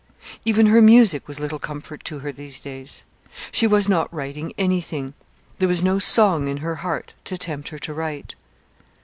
Even her music was little comfort to her these days. She was not writing anything. There was no song in her heart to tempt her to write.